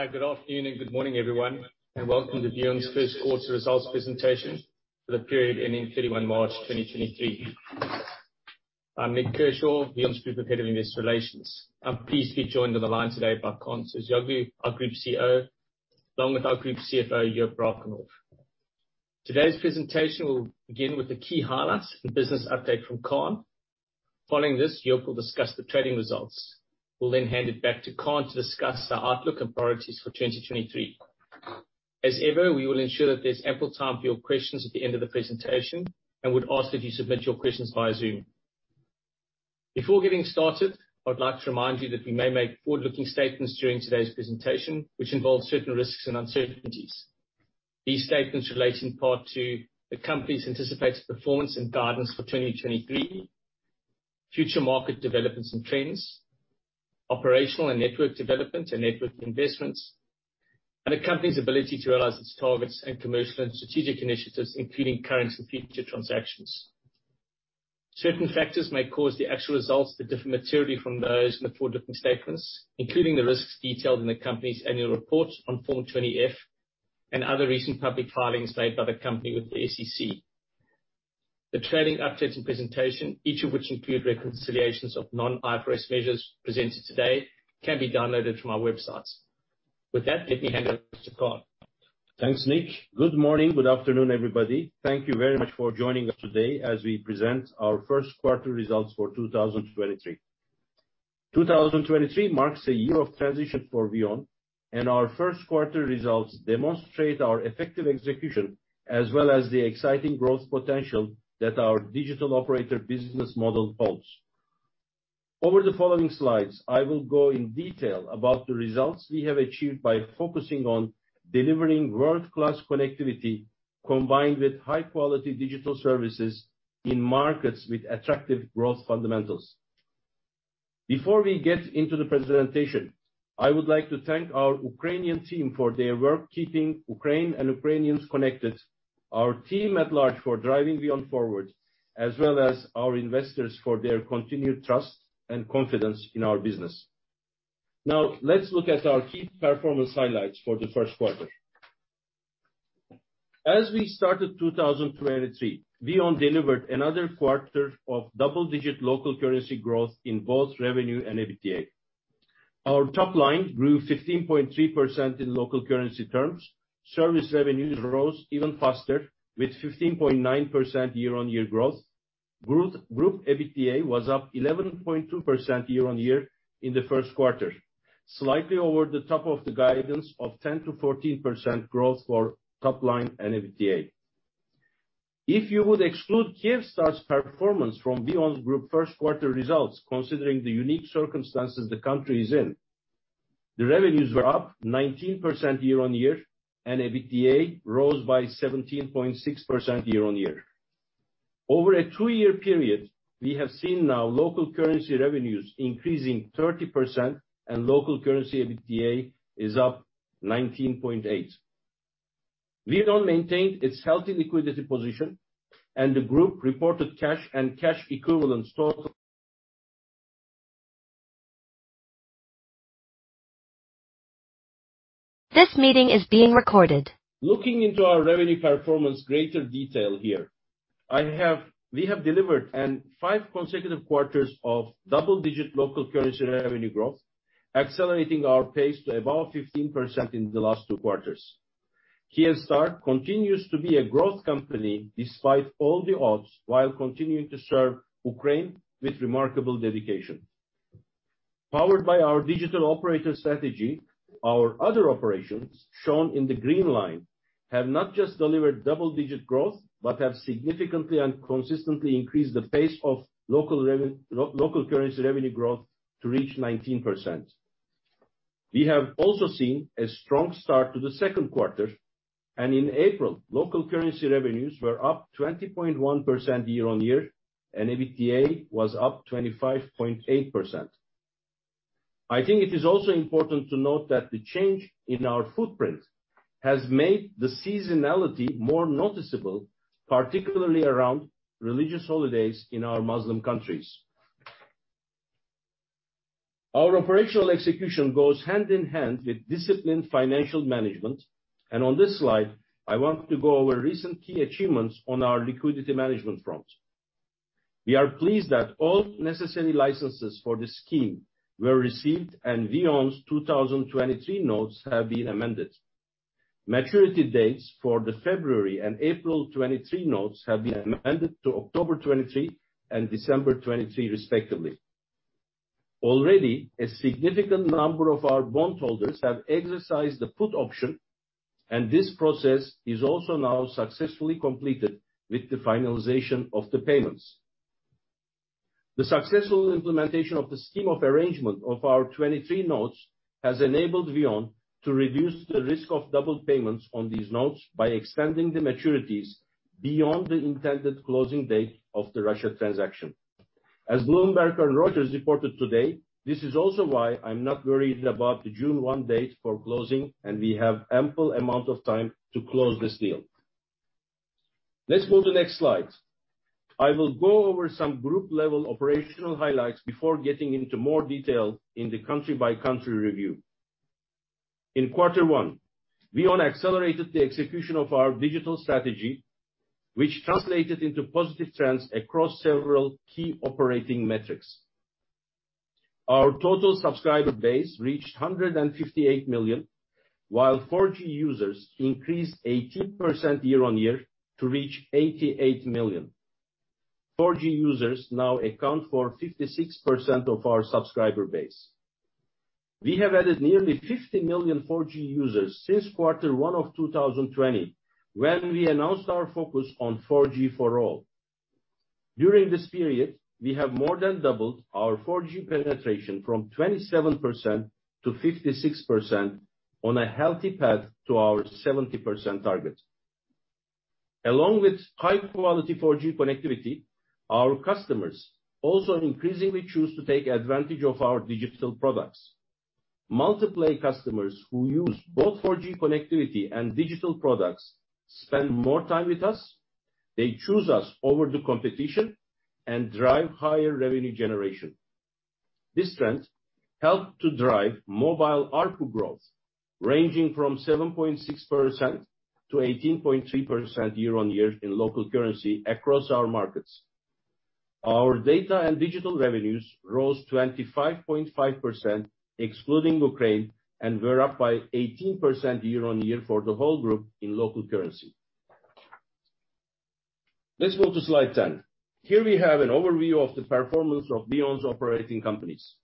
Welcome to VEON's first quarter results presentation for the Period Ending March 31, 2023. I'm Nik Kershaw, VEON's Group Head of Investor Relations. I'm pleased to be joined on the line today by Kaan Terzioğlu, our Group CEO, along with our Group CFO, Joop Brakenhoff. Today's presentation will begin with the key highlights and business update from Kaan. Following this, Joop will discuss the trading results. We'll hand it back to Kaan to discuss our outlook and priorities for 2023. As ever, we will ensure that there's ample time for your questions at the end of the presentation and would ask that you submit your questions via Zoom. Before getting started, I would like to remind you that we may make forward-looking statements during today's presentation, which involve certain risks and uncertainties. These statements relate in part to the company's anticipated performance and guidance for 2023, future market developments and trends, operational and network development and network investments, and the company's ability to realize its targets and commercial and strategic initiatives, including current and future transactions. Certain factors may cause the actual results to differ materially from those in the forward-looking statements, including the risks detailed in the company's annual report on Form 20-F and other recent public filings made by the company with the SEC. The trading updates and presentation, each of which include reconciliations of non-IFRS measures presented today, can be downloaded from our website. With that, let me hand over to Kaan. Thanks, Nik. Good morning, good afternoon, everybody. Thank you very much for joining us today as we present our First Quarter Results for 2023. 2023 marks a year of transition for VEON, and our first quarter results demonstrate our effective execution, as well as the exciting growth potential that our digital operator business model holds. Over the following slides, I will go in detail about the results we have achieved by focusing on delivering world-class connectivity combined with high-quality digital services in markets with attractive growth fundamentals. Before we get into the presentation, I would like to thank our Ukrainian team for their work keeping Ukraine and Ukrainians connected, our team at large for driving VEON forward, as well as our investors for their continued trust and confidence in our business. Now, let's look at our key performance highlights for the first quarter. As we started 2023, VEON delivered another quarter of double-digit local currency growth in both revenue and EBITDA. Our top line grew 15.3% in local currency terms. Service revenues rose even faster with 15.9% year-on-year growth. Group EBITDA was up 11.2% year-on-year in the first quarter, slightly over the top of the guidance of 10%-14% growth for top line and EBITDA. If you would exclude Kyivstar's performance from VEON's Group first quarter results, considering the unique circumstances the country is in, the revenues were up 19% year-on-year, and EBITDA rose by 17.6% year-on-year. Over a two-year period, we have seen now local currency revenues increasing 30%, and local currency EBITDA is up 19.8%. VEON maintained its healthy liquidity position, and the group reported cash and cash equivalents. Looking into our revenue performance greater detail here, we have delivered and five consecutive quarters of double-digit local currency revenue growth, accelerating our pace to above 15% in the last two quarters. Kyivstar continues to be a growth company despite all the odds while continuing to serve Ukraine with remarkable dedication. Powered by our Digital Operator strategy, our other operations, shown in the green line, have not just delivered double-digit growth but have significantly and consistently increased the pace of local currency revenue growth to reach 19%. We have also seen a strong start to the second quarter, and in April, local currency revenues were up 20.1% year-on-year, and EBITDA was up 25.8%. I think it is also important to note that the change in our footprint has made the seasonality more noticeable, particularly around religious holidays in our Muslim countries. Our operational execution goes hand in hand with disciplined financial management, and on this slide, I want to go over recent key achievements on our liquidity management front. We are pleased that all necessary licenses for the scheme were received, and VEON's 2023 notes have been amended. Maturity dates for the February and April 23 notes have been amended to October 23 and December 23 respectively. Already, a significant number of our bondholders have exercised the put option, and this process is also now successfully completed with the finalization of the payments. The successful implementation of the scheme of arrangement of our 23 notes has enabled VEON to reduce the risk of double payments on these notes by extending the maturities beyond the intended closing date of the Russia transaction. As Bloomberg and Reuters reported today, this is also why I'm not worried about the June 1 date for closing. We have ample amount of time to close this deal. Let's move to next slide. I will go over some group level operational highlights before getting into more detail in the country-by-country review. In quarter one, VEON accelerated the execution of our digital strategy, which translated into positive trends across several key operating metrics. Our total subscriber base reached 158 million, while 4G users increased 18% year-on-year to reach 88 million. 4G users now account for 56% of our subscriber base. We have added nearly 50 million 4G users since quarter one of 2020 when we announced our focus on 4G for all. During this period, we have more than doubled our 4G penetration from 27% to 56% on a healthy path to our 70% target. Along with high quality 4G connectivity, our customers also increasingly choose to take advantage of our digital products. Multi-play customers who use both 4G connectivity and digital products spend more time with us, they choose us over the competition and drive higher revenue generation. This trend helped to drive mobile ARPU growth ranging from 7.6% to 18.3% year-on-year in local currency across our markets. Our data and digital revenues rose 25.5% excluding Ukraine, and were up by 18% year-on-year for the whole group in local currency. Let's move to slide 10. Here we have an overview of the performance of VEON's operating companies.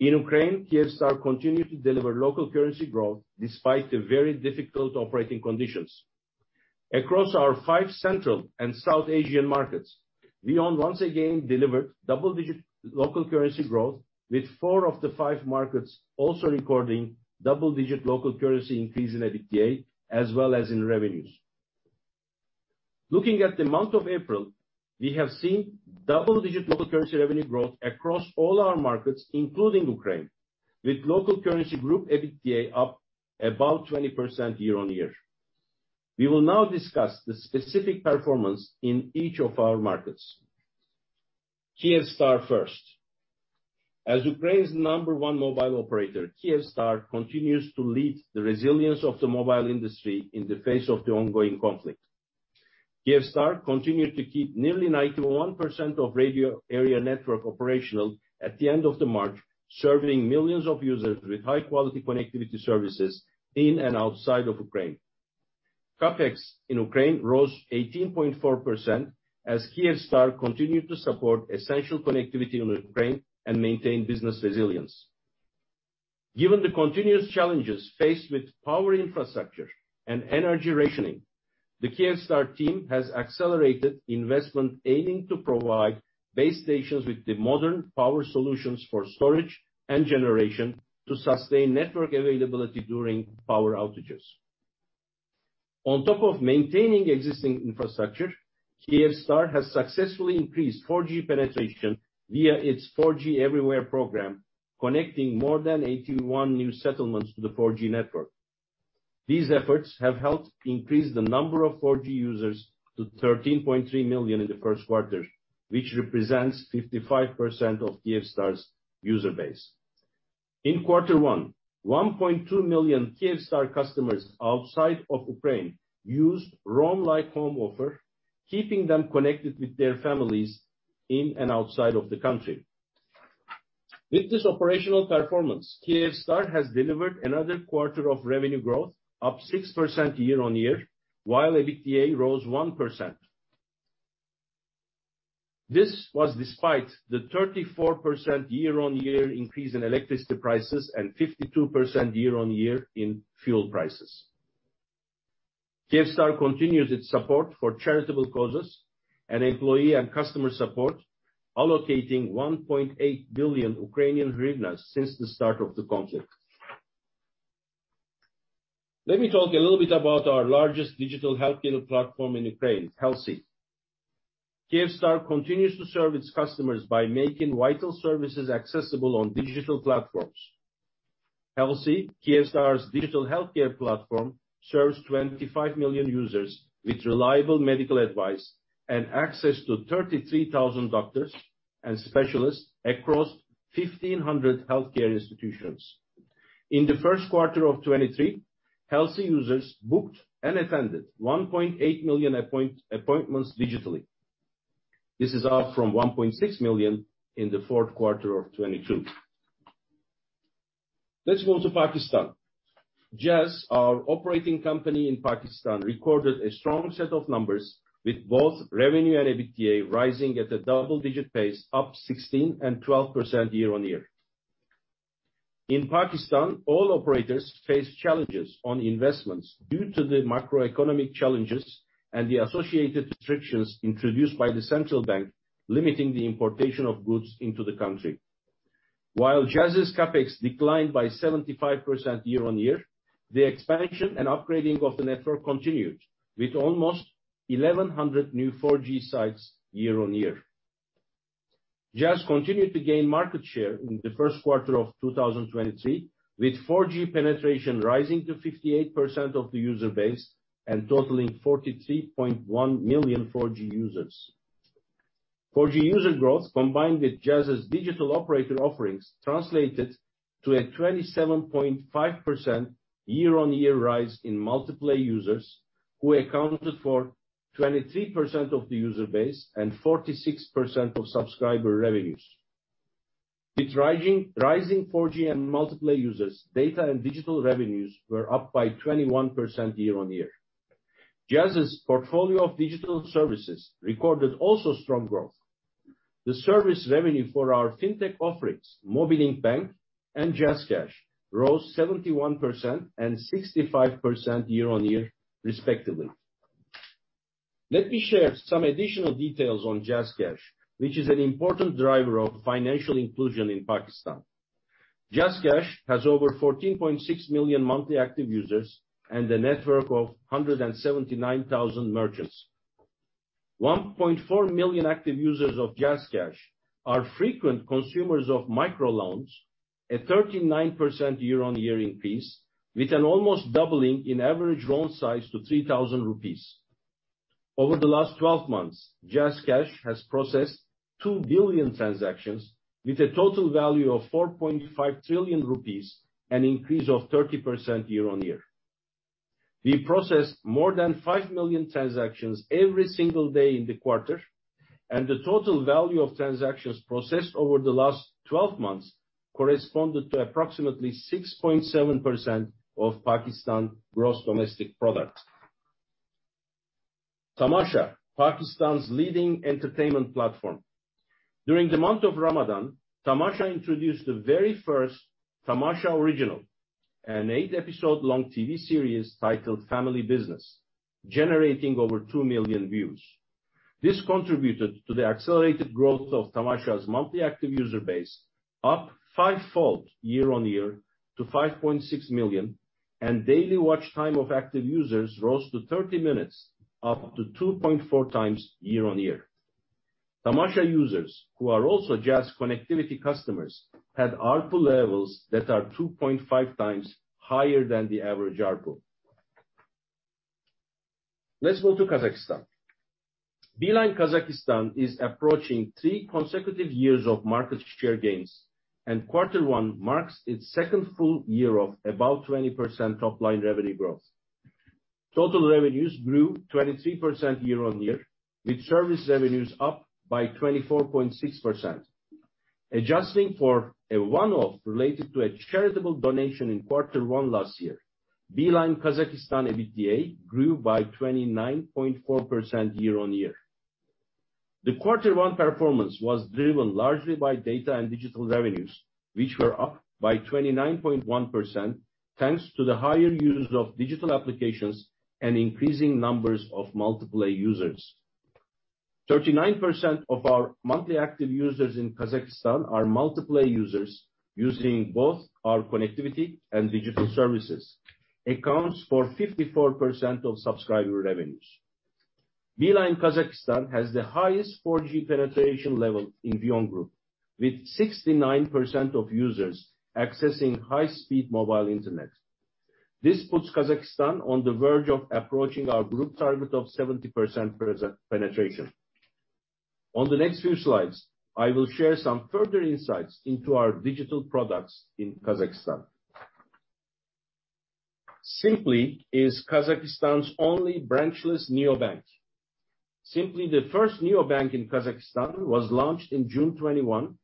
In Ukraine, Kyivstar continued to deliver local currency growth despite the very difficult operating conditions. Across our five central and South Asian markets, VEON once again delivered double-digit local currency growth with four of the five markets also recording double-digit local currency increase in EBITDA, as well as in revenues. Looking at the month of April, we have seen double-digit local currency revenue growth across all our markets, including Ukraine. With local currency group EBITDA up about 20% year-on-year. We will now discuss the specific performance in each of our markets. Kyivstar first. As Ukraine's number one mobile operator, Kyivstar continues to lead the resilience of the mobile industry in the face of the ongoing conflict. Kyivstar continued to keep nearly 91% of radio area network operational at the end of March, serving millions of users with high quality connectivity services in and outside of Ukraine. CapEx in Ukraine rose 18.4% as Kyivstar continued to support essential connectivity in Ukraine and maintain business resilience. Given the continuous challenges faced with power infrastructure and energy rationing, the Kyivstar team has accelerated investment aiming to provide base stations with the modern power solutions for storage and generation to sustain network availability during power outages. On top of maintaining existing infrastructure, Kyivstar has successfully increased 4G penetration via its 4G Everywhere program, connecting more than 81 new settlements to the 4G network. These efforts have helped increase the number of 4G users to 13.3 million in the first quarter, which represents 55% of Kyivstar's user base. In quarter one, 1.2 million Kyivstar customers outside of Ukraine used Roam Like Home offer, keeping them connected with their families in and outside of the country. With this operational performance, Kyivstar has delivered another quarter of revenue growth up 6% year-on-year, while EBITDA rose 1%. This was despite the 34% year-on-year increase in electricity prices and 52% year-on-year in fuel prices. Kyivstar continues its support for charitable causes and employee and customer support, allocating 1.8 billion Ukrainian hryvnia since the start of the conflict. Let me talk a little bit about our largest digital healthcare platform in Ukraine, Helsi. Kyivstar continues to serve its customers by making vital services accessible on digital platforms. Helsi, Kyivstar's digital healthcare platform, serves 25 million users with reliable medical advice and access to 33,000 doctors and specialists across 1,500 healthcare institutions. In the first quarter of 2023, Helsi users booked and attended 1.8 million appointments digitally. This is up from 1.6 million in the fourth quarter of 2022. Let's move to Pakistan. Jazz, our operating company in Pakistan, recorded a strong set of numbers with both revenue and EBITDA rising at a double-digit pace up 16% and 12% year-over-year. In Pakistan, all operators face challenges on investments due to the macroeconomic challenges and the associated restrictions introduced by the central bank, limiting the importation of goods into the country. While Jazz's CapEx declined by 75% year-on-year, the expansion and upgrading of the network continued with almost 1,100 new 4G sites year-on-year. Jazz continued to gain market share in the first quarter of 2023, with 4G penetration rising to 58% of the user base and totaling 43.1 million 4G users. 4G user growth, combined with Jazz's Digital Operator offerings, translated to a 27.5% year-on-year rise in multi-play users, who accounted for 23% of the user base and 46% of subscriber revenues. With rising 4G and multi-play users, data and digital revenues were up by 21% year-on-year. Jazz's portfolio of digital services recorded also strong growth. The service revenue for our fintech offerings, Mobilink Microfinance Bank and JazzCash, rose 71% and 65% year-on-year respectively. Let me share some additional details on JazzCash, which is an important driver of financial inclusion in Pakistan. JazzCash has over 14.6 million monthly active users and a network of 179,000 merchants. 1.4 million active users of JazzCash are frequent consumers of micro-loans, a 39% year-on-year increase, with an almost doubling in average loan size to PKR 3,000. Over the last 12 months, JazzCash has processed 2 billion transactions with a total value of PKR 4.5 trillion, an increase of 30% year-on-year. We processed more than 5 million transactions every single day in the quarter, and the total value of transactions processed over the last 12 months corresponded to approximately 6.7% of Pakistan gross domestic product. Tamasha, Pakistan's leading entertainment platform. During the month of Ramadan, Tamasha introduced the very first Tamasha original, an eight-episode long TV series titled Family Business, generating over 2 million views. This contributed to the accelerated growth of Tamasha's monthly active user base, up five-fold year-on-year to 5.6 million, and daily watch time of active users rose to 30 minutes, up to 2.4x year-on-year. Tamasha users, who are also Jazz connectivity customers, had ARPU levels that are 2.5x higher than the average ARPU. Let's go to Kazakhstan. Beeline Kazakhstan is approaching three consecutive years of market share gains, and Q1 marks its second full year of above 20% top-line revenue growth. Total revenues grew 23% year-on-year, with service revenues up by 24.6%. Adjusting for a one-off related to a charitable donation in Q1 last year, Beeline Kazakhstan EBITDA grew by 29.4% year-on-year. The Q1 performance was driven largely by data and digital revenues, which were up by 29.1%, thanks to the higher users of digital applications and increasing numbers of multi-play users. 39% of our monthly active users in Kazakhstan are multi-play users using both our connectivity and digital services. Accounts for 54% of subscriber revenues. Beeline Kazakhstan has the highest 4G penetration level in VEON Group, with 69% of users accessing high-speed mobile internet. This puts Kazakhstan on the verge of approaching our group target of 70% present penetration. On the next few slides, I will share some further insights into our digital products in Kazakhstan. Simply is Kazakhstan's only branchless neobank. Simply, the first neobank in Kazakhstan, was launched in June 2021,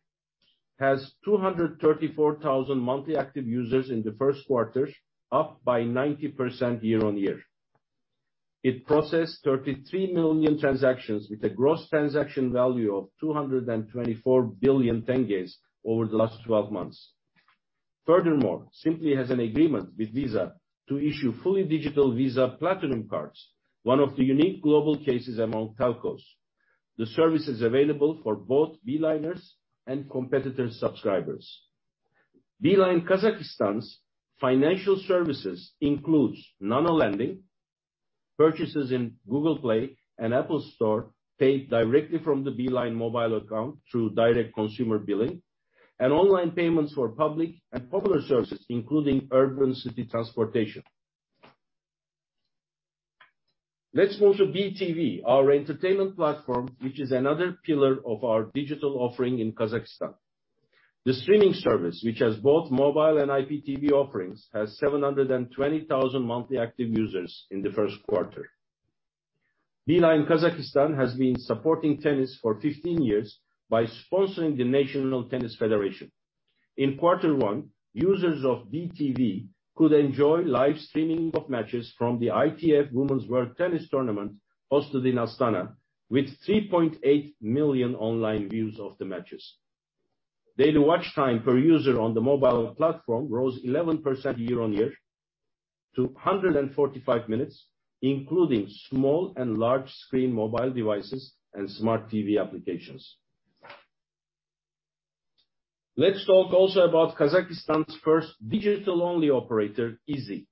has 234,000 monthly active users in the first quarter, up by 90% year-on-year. It processed 33 million transactions with a gross transaction value of 224 billion KZT over the last 12 months. Simply has an agreement with Visa to issue fully digital Visa Platinum cards, one of the unique global cases among telcos. The service is available for both Beelineers and competitor subscribers. Beeline Kazakhstan's financial services includes nano-lending, purchases in Google Play and App Store paid directly from the Beeline mobile account through Direct Carrier Billing, and online payments for public and popular services, including urban city transportation. Let's move to BeeTV, our entertainment platform, which is another pillar of our digital offering in Kazakhstan. The streaming service, which has both mobile and IPTV offerings, has 720,000 monthly active users in the first quarter. Beeline Kazakhstan has been supporting tennis for 15 years by sponsoring the National Tennis Federation. In quarter one, users of BeeTV could enjoy live streaming of matches from the ITF Women's World Tennis Tournament hosted in Astana with 3.8 million online views of the matches. Daily watch time per user on the mobile platform rose 11% year-on-year to 145 minutes, including small and large screen mobile devices and smart TV applications. Let's talk also about Kazakhstan's first digital only operator, Izi.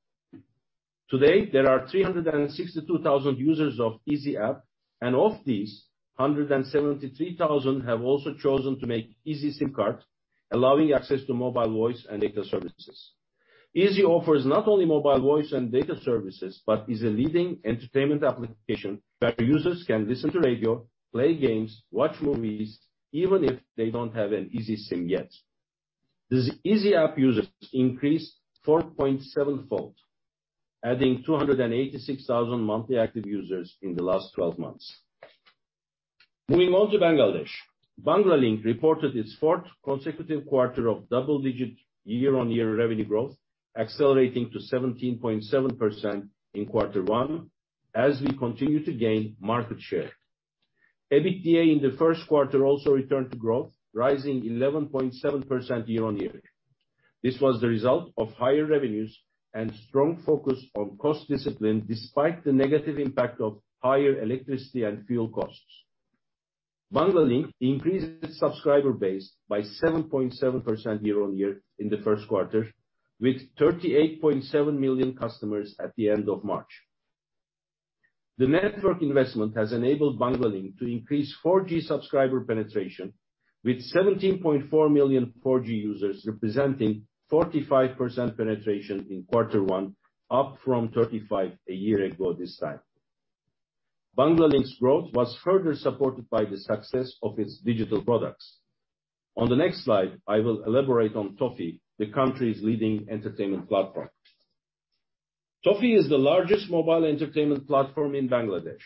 To date, there are 362,000 users of Izi app, and of these, 173,000 have also chosen to make Izi SIM card, allowing access to mobile voice and data services. Izi offers not only mobile voice and data services, but is a leading entertainment application where users can listen to radio, play games, watch movies, even if they don't have an Izi SIM yet. The Izi app users increased 4.7-fold, adding 286,000 monthly active users in the last 12 months. Moving on to Bangladesh. Banglalink reported its fourth consecutive quarter of double-digit year-on-year revenue growth, accelerating to 17.7% in quarter one as we continue to gain market share. EBITDA in the first quarter also returned to growth, rising 11.7% year-on-year. This was the result of higher revenues and strong focus on cost discipline despite the negative impact of higher electricity and fuel costs. Banglalink increased its subscriber base by 7.7% year-on-year in the first quarter, with 38.7 million customers at the end of March. The network investment has enabled Banglalink to increase 4G subscriber penetration with 17.4 million 4G users, representing 45% penetration in quarter one, up from 35% a year ago this time. Banglalink's growth was further supported by the success of its digital products. On the next slide, I will elaborate on Toffee, the country's leading entertainment platform. Toffee is the largest mobile entertainment platform in Bangladesh.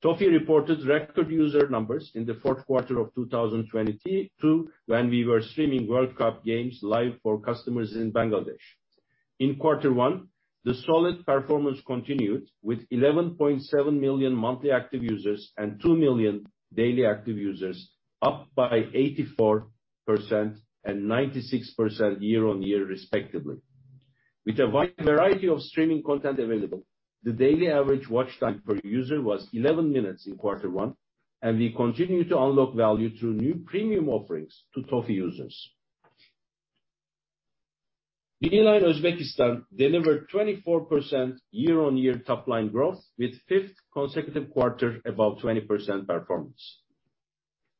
Toffee reported record user numbers in the fourth quarter of 2022 when we were streaming World Cup games live for customers in Bangladesh. In quarter one, the solid performance continued with 11.7 million monthly active users and 2 million daily active users, up by 84% and 96% year-on-year respectively. With a wide variety of streaming content available, the daily average watch time per user was 11 minutes in quarter one. We continue to unlock value through new premium offerings to Toffee users. Beeline Uzbekistan delivered 24% year-on-year top line growth with fifth consecutive quarter above 20% performance.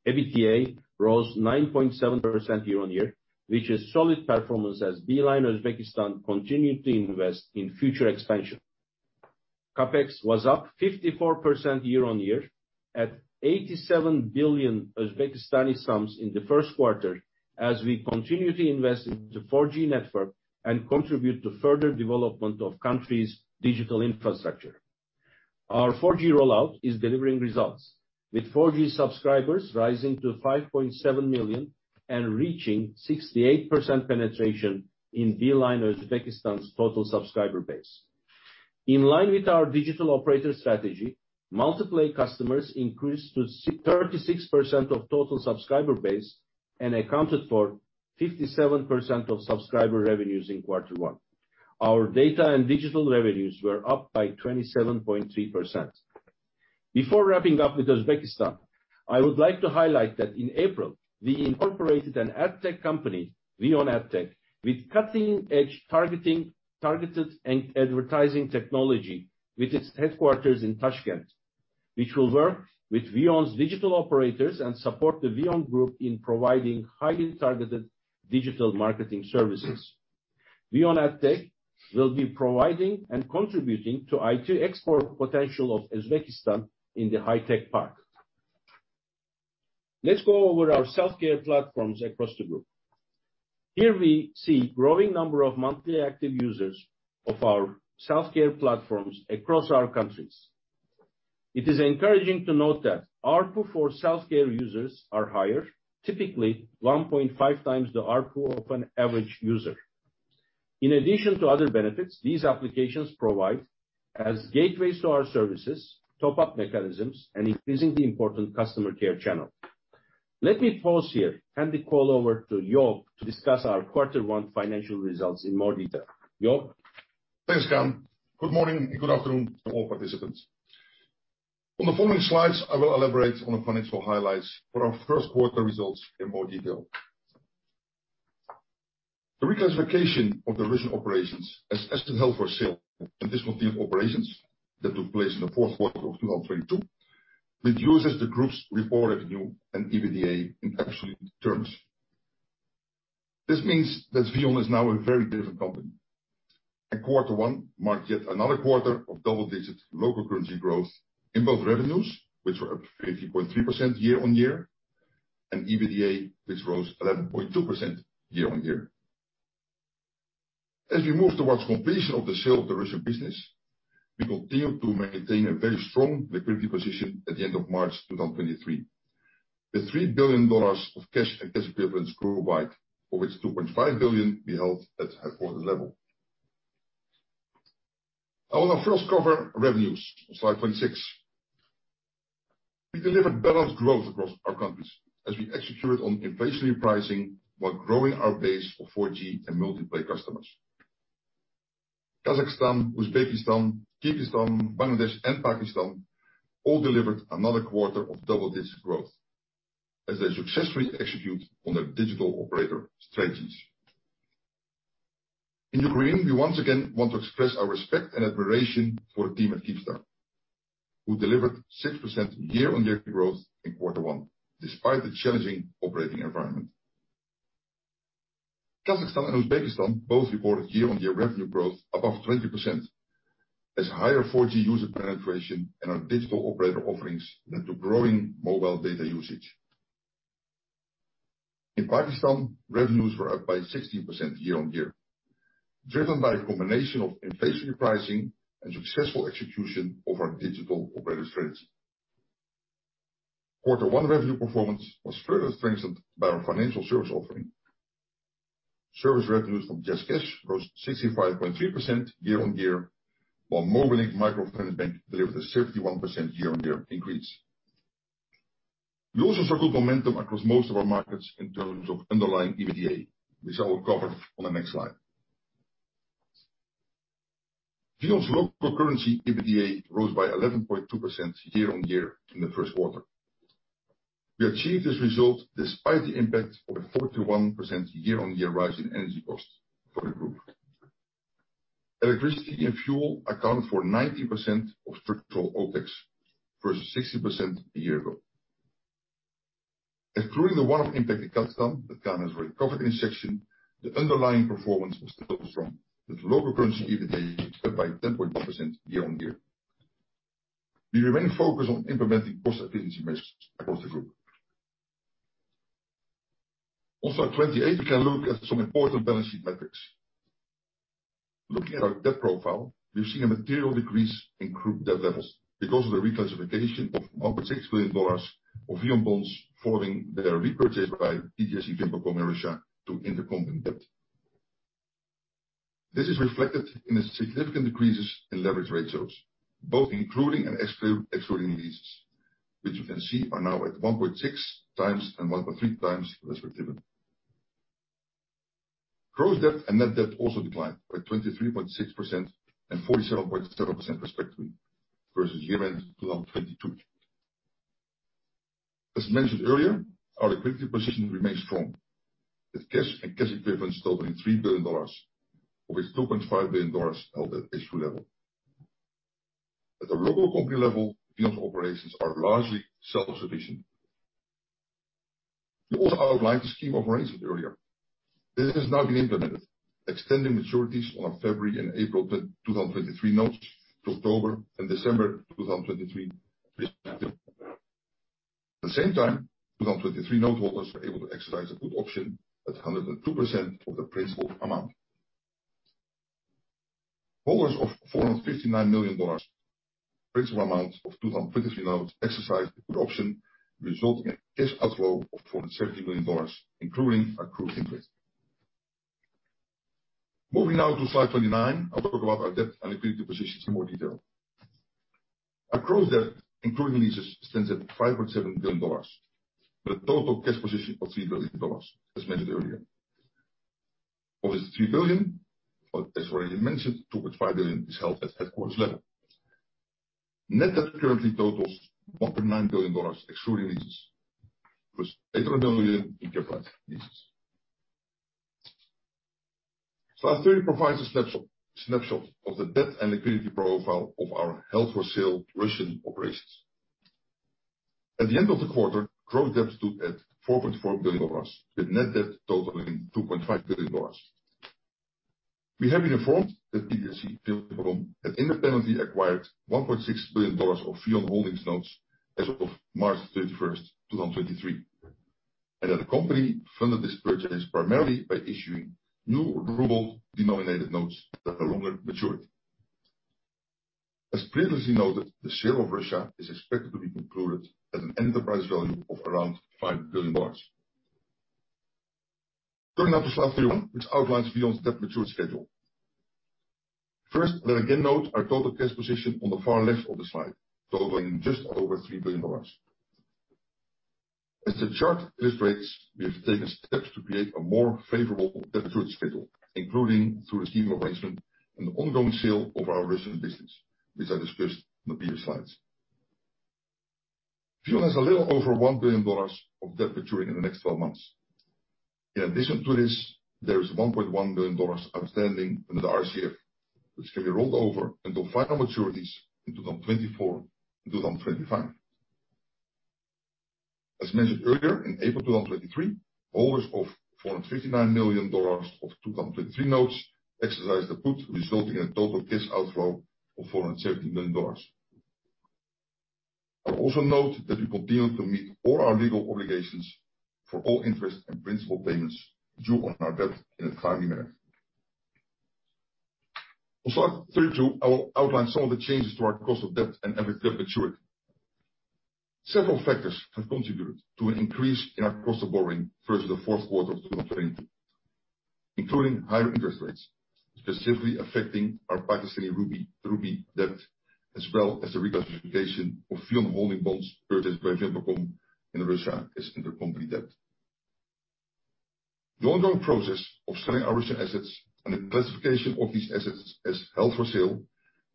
EBITDA rose 9.7% year-on-year, which is solid performance as Beeline Uzbekistan continued to invest in future expansion. CapEx was up 54% year-on-year at 87 billion Uzbekistani som in the first quarter as we continue to invest into 4G network and contribute to further development of country's digital infrastructure. Our 4G rollout is delivering results, with 4G subscribers rising to 5.7 million and reaching 68% penetration in Beeline Uzbekistan's total subscriber base. In line with our Digital Operator strategy, multi-play customers increased to 36% of total subscriber base and accounted for 57% of subscriber revenues in Q1. Our data and digital revenues were up by 27.3%. Before wrapping up with Uzbekistan, I would like to highlight that in April, we incorporated an AdTech company, VEON AdTech, with cutting-edge targeting, targeted and advertising technology with its headquarters in Tashkent, which will work with VEON's Digital Operators and support the VEON group in providing highly targeted digital marketing services. VEON AdTech will be providing and contributing to IT export potential of Uzbekistan in the High Tech Park. Let's go over our self-care platforms across the group. Here we see growing number of monthly active users of our self-care platforms across our countries. It is encouraging to note that ARPU for self-care users are higher, typically 1.5x the ARPU of an average user. In addition to other benefits, these applications provide as gateways to our services, top-up mechanisms, and increasingly important customer care channel. Let me pause here, hand the call over to Joop to discuss our quarter one financial results in more detail. Joop? Thanks, Kaan. Good morning and good afternoon to all participants. On the following slides, I will elaborate on the financial highlights for our first quarter results in more detail. The reclassification of the Russian operations as held for sale and discontinued operations that took place in the fourth quarter of 2022, reduces the group's reported revenue and EBITDA in absolute terms. This means that VEON is now a very different company. Quarter one marked yet another quarter of double-digits local currency growth in both revenues, which were up 30.3% year-on-year, and EBITDA, which rose 11.2% year-on-year. As we move towards completion of the sale of the Russian business, we continue to maintain a very strong liquidity position at the end of March 2023. The $3 billion of cash and cash equivalents group-wide, of which $2.5 billion we held at headquarters level. I will now first cover revenues on slide 26. We delivered balanced growth across our countries as we executed on inflationary pricing while growing our base of 4G and multi-play customers. Kazakhstan, Uzbekistan, Kyrgyzstan, Bangladesh, and Pakistan all delivered another quarter of double-digit growth as they successfully execute on their Digital Operator strategy. In Ukraine, we once again want to express our respect and admiration for the team at Kyivstar, who delivered 6% year-on-year growth in quarter one despite the challenging operating environment. Kazakhstan and Uzbekistan both reported year-on-year revenue growth above 20% as higher 4G user penetration in our Digital Operator offerings led to growing mobile data usage. In Pakistan, revenues were up by 16% year-on-year, driven by a combination of inflation pricing and successful execution of our Digital Operator strategy. Quarter one revenue performance was further strengthened by our financial services offering. Service revenues from JazzCash grows 65.3% year-on-year, while Mobilink Microfinance Bank delivered a 51% year-on-year increase. We also saw good momentum across most of our markets in terms of underlying EBITDA, which I will cover on the next slide. VEON's local currency EBITDA rose by 11.2% year-on-year in the first quarter. We achieved this result despite the impact of a 41% year-on-year rise in energy costs for the group. Electricity and fuel accounted for 90% of structural OpEx versus 60% a year ago. Excluding the one-off impact in Kazakhstan that Kaan has covered in this section, the underlying performance was still strong, with local currency EBITDA up by 10.1% year-on-year. We remain focused on implementing cost efficiency measures across the group. On slide 28, we can look at some important balance sheet metrics. Looking at our debt profile, we've seen a material decrease in group debt levels because of the reclassification of $1.6 billion of VEON bonds following their repurchase by PJSC VimpelCom, Russia, to intercompany debt. This is reflected in the significant decreases in leverage ratios, both including and excluding leases, which you can see are now at 1.6x and 1.3x respectively. Gross debt and net debt also declined by 23.6% and 47.7% respectively versus year-end 2022. As mentioned earlier, our liquidity position remains strong, with cash and cash equivalents totaling $3 billion, with $2.5 billion held at issuer level. At the local company level, VEON's operations are largely self-sufficient. We also outlined the Scheme of Arrangement earlier. This has now been implemented, extending maturities on our February and April 2023 notes to October and December 2023 respectively. At the same time, 2023 note holders were able to exercise a put option at 102% of the principal amount. Holders of $459 million principal amount of 2023 notes exercised the put option, resulting in a cash outflow of $470 million, including accrued interest. Moving now to slide 29, I'll talk about our debt and liquidity positions in more detail. Our gross debt, including leases, stands at $5.7 billion, with a total cash position of $3 billion, as mentioned earlier. Of this $3 billion, as already mentioned, $2.5 billion is held at headquarters level. Net debt currently totals $1.9 billion excluding leases with $800 million in capitalized leases. Slide 30 provides a snapshot of the debt and liquidity profile of our held-for-sale Russian operations. At the end of the quarter, gross debt stood at $4.4 billion, with net debt totaling $2.5 billion. We have been informed that PJSC VimpelCom has independently acquired $1.6 billion of VEON Holdings notes as of March 31, 2023, and that the company funded this purchase primarily by issuing new ruble-denominated notes that are longer maturity. As previously noted, the sale of Russia is expected to be concluded at an enterprise value of around $5 billion. Turning now to slide 31, which outlines VEON's debt maturity schedule. First, let me again note our total cash position on the far left of the slide, totaling just over $3 billion. As the chart illustrates, we have taken steps to create a more favorable debt maturity schedule, including through a scheme of arrangement, an ongoing sale of our Russian business, which I discussed on the previous slides. VEON has a little over $1 billion of debt maturing in the next 12 months. In addition to this, there is $1.1 billion outstanding under the RCF, which can be rolled over until final maturities in 2024 and 2025. As mentioned earlier, in April 2023, holders of $459 million of 2023 notes exercised the put, resulting in a total cash outflow of $470 million. I'll also note that we continue to meet all our legal obligations for all interest and principal payments due on our debt in a timely manner. On slide 32, I will outline some of the changes to our cost of debt and average debt matured. Several factors have contributed to an increase in our cost of borrowing through to the fourth quarter of 2022, including higher interest rates, specifically affecting our Pakistani rupee debt, as well as the reclassification of VEON Holdings bonds purchased by VimpelCom in Russia as intercompany debt. The ongoing process of selling our Russian assets and the classification of these assets as held for sale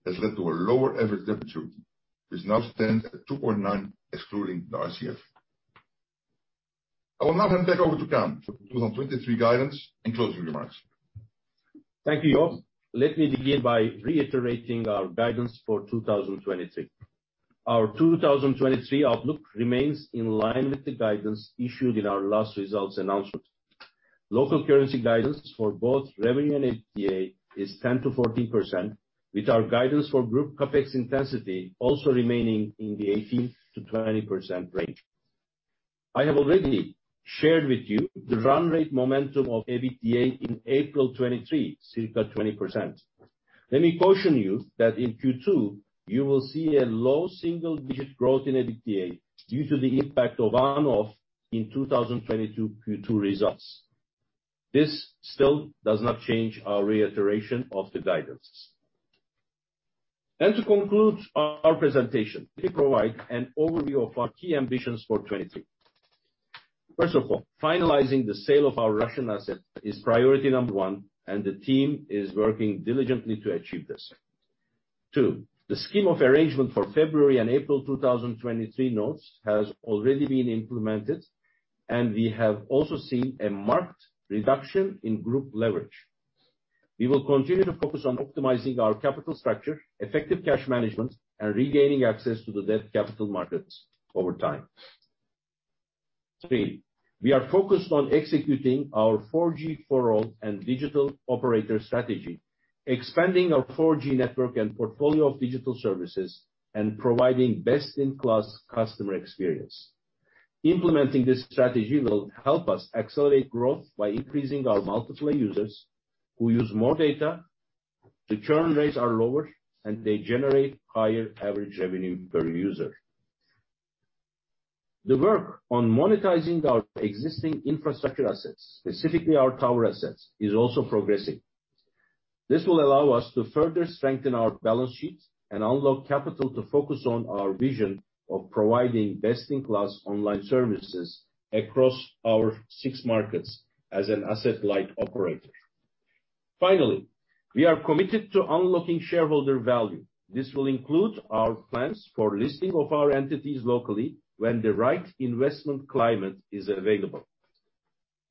has led to a lower average debt maturity, which now stands at 2.9, excluding the RCF. I will now hand back over to Kaan for 2023 guidance and closing remarks. Thank you, Joop. Let me begin by reiterating our guidance for 2023. Our 2023 outlook remains in line with the guidance issued in our last results announcement. Local currency guidance for both revenue and EBITDA is 10%-14%, with our guidance for group CapEx intensity also remaining in the 18%-20% range. I have already shared with you the run rate momentum of EBITDA in April 2023, circa 20%. Let me caution you that in Q2, you will see a low single-digit growth in EBITDA due to the impact of one-off in 2022 Q2 results. This still does not change our reiteration of the guidance. To conclude our presentation, let me provide an overview of our key ambitions for 2023. First of all, finalizing the sale of our Russian asset is priority number one. The team is working diligently to achieve this. 2. The Scheme of Arrangement for February and April 2023 notes has already been implemented. We have also seen a marked reduction in group leverage. We will continue to focus on optimizing our capital structure, effective cash management, and regaining access to the debt capital markets over time. 3. We are focused on executing our 4G for all and Digital Operator strategy, expanding our 4G network and portfolio of digital services, and providing best-in-class customer experiences. Implementing this strategy will help us accelerate growth by increasing our multi-play users who use more data. The churn rates are lower. They generate higher average revenue per user. The work on monetizing our existing infrastructure assets, specifically our tower assets, is also progressing. This will allow us to further strengthen our balance sheet and unlock capital to focus on our vision of providing best-in-class online services across our six markets as an asset-light operator. Finally, we are committed to unlocking shareholder value. This will include our plans for listing of our entities locally when the right investment climate is available.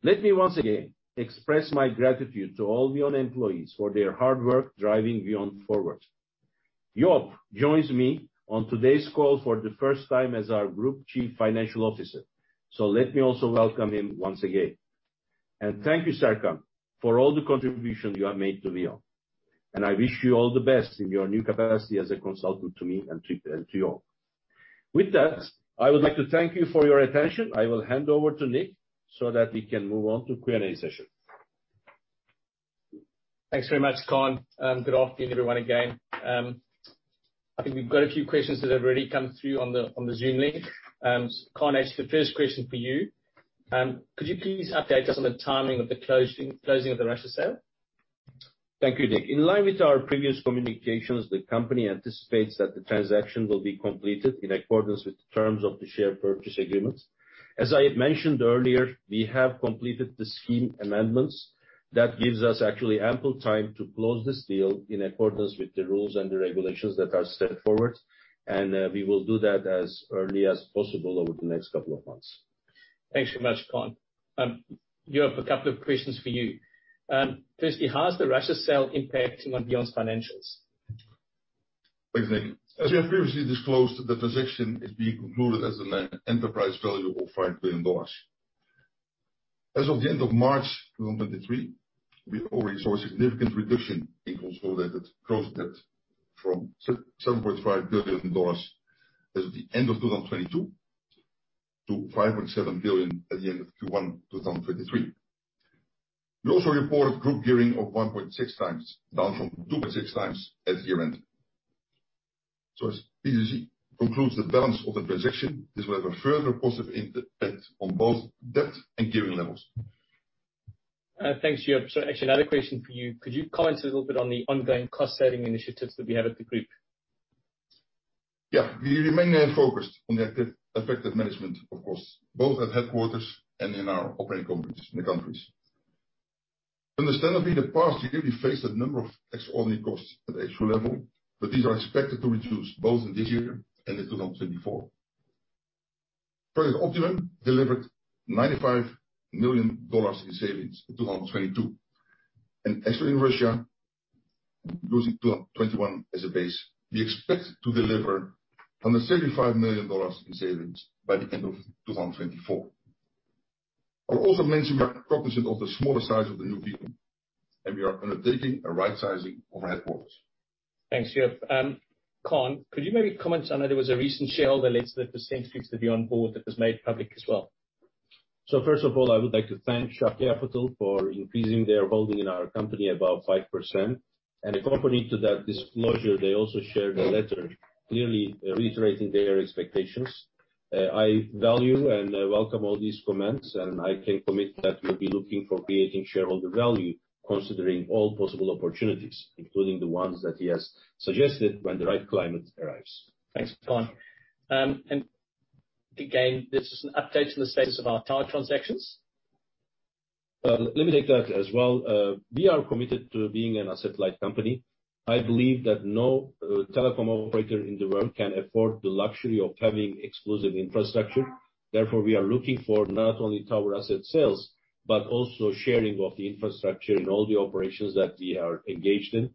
Let me once again express my gratitude to all VEON employees for their hard work driving VEON forward. Joop joins me on today's call for the first time as our Group Chief Financial Officer, let me also welcome him once again. Thank you, Serkan, for all the contributions you have made to VEON. I wish you all the best in your new capacity as a consultant to me and to Joop. With that, I would like to thank you for your attention. I will hand over to Nik so that we can move on to Q&A session. Thanks very much, Kaan. good afternoon, everyone, again. I think we've got a few questions that have already come through on the, on the Zoom link. Kaan, actually the first question for you, could you please update us on the timing of the closing of the Russia sale? Thank you, Nik. In line with our previous communications, the company anticipates that the transaction will be completed in accordance with the terms of the share purchase agreement. As I had mentioned earlier, we have completed the scheme amendments. That gives us actually ample time to close this deal in accordance with the rules and the regulations that are set forward. We will do that as early as possible over the next couple of months. Thanks very much, Kaan. Joop, a couple of questions for you. Firstly, how has the Russia sale impacted on VEON's financials? Thanks, Nik. As we have previously disclosed, the transaction is being concluded as an enterprise value of $5 billion. As of the end of March 2023, we already saw a significant reduction in consolidated gross debt from $7.5 billion as the end of 2022 to $5.7 billion at the end of Q1 2023. We also reported group gearing of 1.6x, down from 2.6x at year-end. As VimpelCom concludes the balance of the transaction, this will have a further positive impact on both debt and gearing levels. Thanks, Joop. Sorry, actually, another question for you. Could you comment a little bit on the ongoing cost-saving initiatives that we have at the group? Yeah. We remain focused on the active effective management, of course, both at headquarters and in our operating companies in the countries. Understandably, in the past, we did face a number of extraordinary costs at the extra level, but these are expected to reduce both in this year and in 2024. Project Optimum delivered $95 million in savings in 2022. Actually in Russia, using 2021 as a base, we expect to deliver under $75 million in savings by the end of 2024. I'll also mention we are cognizant of the smaller size of the new VEON, and we are undertaking a right-sizing of our headquarters. Thanks, Joop. Kaan, could you maybe comment on, I know there was a recent shareholder letter that was sent to the VEON board that was made public as well. First of all, I would like to thank Shah Capital for increasing their holding in our company above 5%. Accompanying to that disclosure, they also shared a letter clearly reiterating their expectations. I value and I welcome all these comments, and I can commit that we'll be looking for creating shareholder value, considering all possible opportunities, including the ones that he has suggested when the right climate arrives. Thanks, Kaan. Again, this is an update in the status of our target transactions. Let me take that as well. We are committed to being an asset-light company. I believe that no telecom operator in the world can afford the luxury of having exclusive infrastructure. Therefore, we are looking for not only tower asset sales, but also sharing of the infrastructure in all the operations that we are engaged in.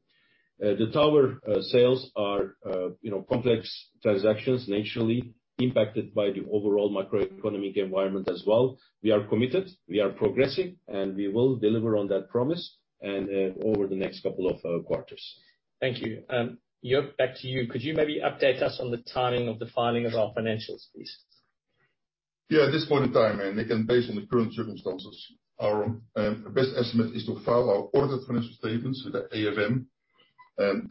The tower sales are, you know, complex transactions naturally impacted by the overall macroeconomic environment as well. We are committed, we are progressing, and we will deliver on that promise and over the next couple of quarters. Thank you. Joop, back to you. Could you maybe update us on the timing of the filing of our financials please? Yeah. At this point in time, and again, based on the current circumstances, our best estimate is to file our audited financial statements with the AFM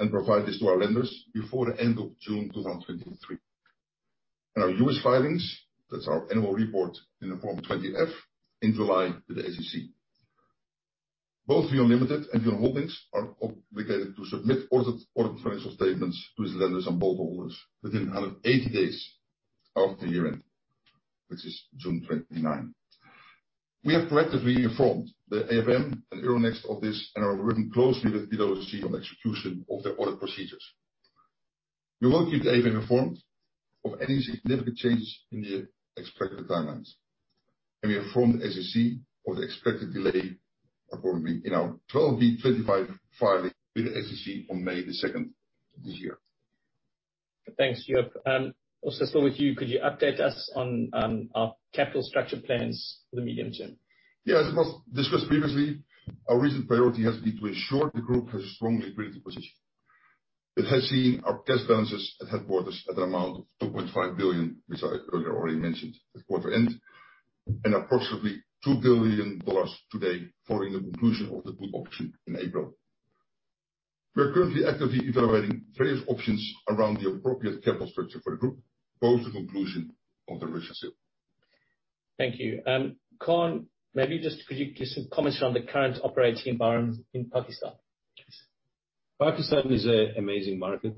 and provide this to our lenders before the end of June 2023. Our U.S. filings, that's our annual report in the Form 20-F in July to the SEC. Both VEON Ltd and VEON Holdings B.V. are obligated to submit audited financial statements to their lenders and bondholders within 180 days of the year-end, which is June 29. We have collectively informed the AFM and Euronext of this, and are working closely with those to see on execution of their audit procedures. We will keep the AFM informed of any significant changes in the expected timelines, and we informed the SEC of the expected delay accordingly in our 12b-25 filing with the SEC on May 2nd of this year. Thanks, Joop. Also still with you, could you update us on our capital structure plans for the medium term? As was discussed previously, our recent priority has been to ensure the group has a strong liquidity position. It has seen our cash balances at headquarters at an amount of $2.5 billion, which I earlier already mentioned at quarter end, and approximately $2 billion today following the conclusion of the Dutch auction in April. We are currently actively evaluating various options around the appropriate capital structure for the group post the conclusion of the Russian sale. Thank you. Kaan, maybe just could you give some comments around the current operating environment in Pakistan? Pakistan is an amazing market.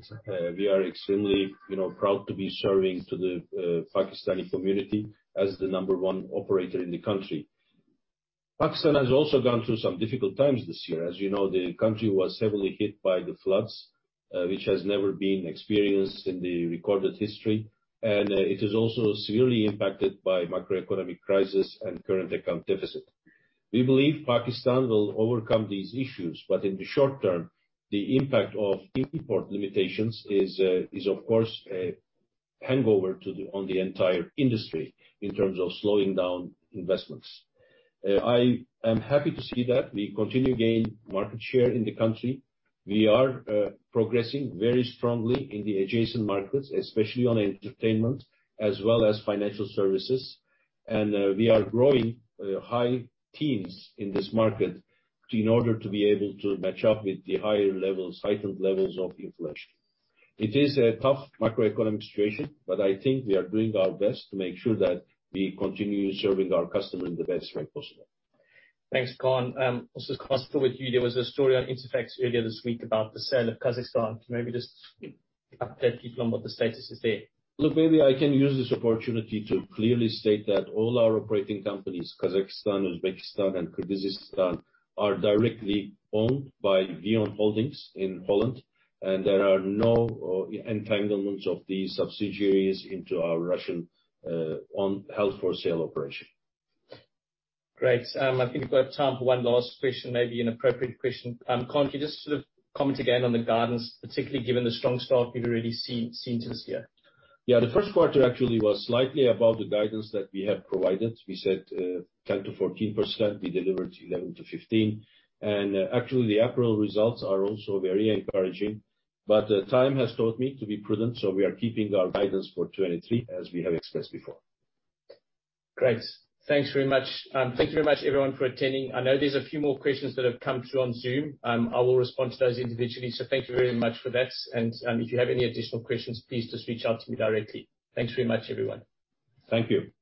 We are extremely, you know, proud to be serving to the Pakistani community as the number one operator in the country. Pakistan has also gone through some difficult times this year. As you know, the country was heavily hit by the floods, which has never been experienced in the recorded history. It is also severely impacted by macroeconomic crisis and current account deficit. We believe Pakistan will overcome these issues, but in the short term, the impact of import limitations is of course a hangover to the, on the entire industry in terms of slowing down investments. I am happy to see that we continue to gain market share in the country. We are progressing very strongly in the adjacent markets, especially on entertainment as well as financial services. We are growing high teens in this market in order to be able to match up with the higher levels, heightened levels of inflation. It is a tough macroeconomic situation, but I think we are doing our best to make sure that we continue serving our customers in the best way possible. Thanks, Kaan. Also still with you, there was a story on Interfax earlier this week about the sale of Kazakhstan. Maybe just update people on what the status is there? Look, maybe I can use this opportunity to clearly state that all our operating companies, Kazakhstan, Uzbekistan, and Kyrgyzstan, are directly owned by VEON Holdings in Holland, and there are no entanglements of these subsidiaries into our Russian, on health for sale operation. Great. I think we've got time for one last question, maybe an appropriate question. Kaan, can you just sort of comment again on the guidance, particularly given the strong start we've already seen to this year? Yeah. The first quarter actually was slightly above the guidance that we have provided. We said, 10%-14%. We delivered 11%-15%. Actually the April results are also very encouraging. Time has taught me to be prudent, so we are keeping our guidance for 2023, as we have expressed before. Great. Thanks very much. Thank you very much everyone for attending. I know there's a few more questions that have come through on Zoom. I will respond to those individually. Thank you very much for that. If you have any additional questions, please just reach out to me directly. Thanks very much, everyone. Thank you.